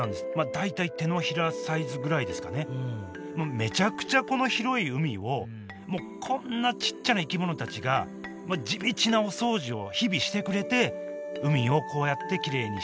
めちゃくちゃこの広い海をこんなちっちゃな生き物たちが地道なお掃除を日々してくれて海をこうやってきれいにしてくれていると。